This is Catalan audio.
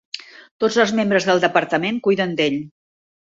Tots els membres del departament cuiden d'ell.